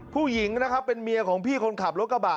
ผู้หญิงนะครับเป็นเมียของพี่คนขับรถกระบะ